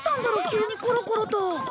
急にコロコロと。